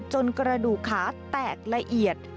กระดูกขาแตกละเอียด